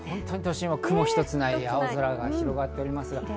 東京都心は雲一つない青空が広がっています。